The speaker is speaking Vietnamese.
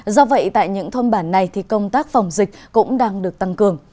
do vậy tại những thôn bản này thì công tác phòng dịch cũng đang được tăng cường